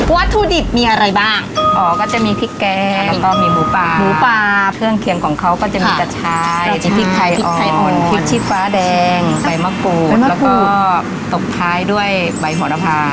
วัตถุดิบมีอะไรบ้างอ๋อก็จะมีพริกแกงแล้วก็มีหมูปลาหมูปลาเครื่องเคียงของเขาก็จะมีกระชายพริกไทยพริกไทยอ่อนพริกชีฟ้าแดงใบมะกรูดแล้วก็ตบท้ายด้วยใบโหระพา